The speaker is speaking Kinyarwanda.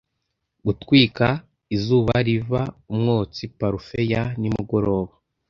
gutwika izuba riva umwotsi parufe ya nimugoroba